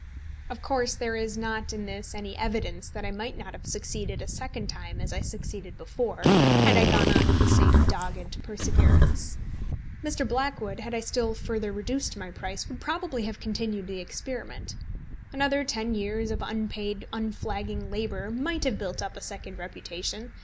Of course there is not in this any evidence that I might not have succeeded a second time as I succeeded before, had I gone on with the same dogged perseverance. Mr. Blackwood, had I still further reduced my price, would probably have continued the experiment. Another ten years of unpaid unflagging labour might have built up a second reputation.